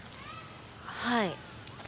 はい。